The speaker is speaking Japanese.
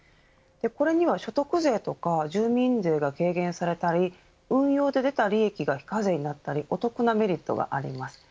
これには所得税とか住民税が軽減されたり運用で出た利益が非課税になったりお得なメリットがあります。